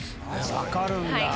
分かるんだ。